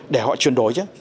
để họ chuyển đổi chứ